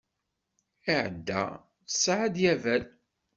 Ɛada tesɛa-d Yabal.